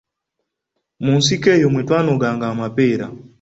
Mu nsiko eyo mwe twanoganga amapeera.